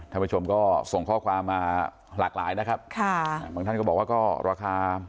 ท่านผู้ชมก็ส่งข้อความมาหลากหลายนะครับค่ะบางท่านก็บอกว่าก็ราคา